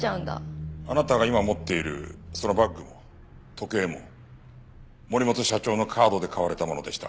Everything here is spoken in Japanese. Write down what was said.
あなたが今持っているそのバッグも時計も森本社長のカードで買われたものでした。